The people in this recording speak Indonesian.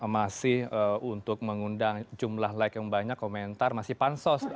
masih untuk mengundang jumlah like yang banyak komentar masih pansos